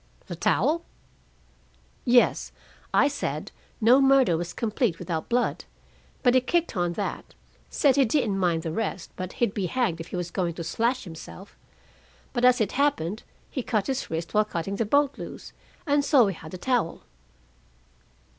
"The towel?" "Yes. I said no murder was complete without blood, but he kicked on that said he didn't mind the rest, but he'd be hanged if he was going to slash himself. But, as it happened, he cut his wrist while cutting the boat loose, and so we had the towel."